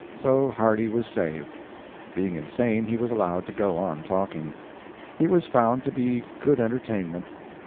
So Hardy was saved. Being insane, he was allowed to go on talking. He was found to be good entertainment.